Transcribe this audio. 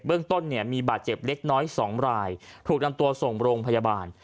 เรื่องต้นเนี่ยมีบาดเจ็บเล็กน้อย๒รายถูกนำตัวส่งโรงพยาบาล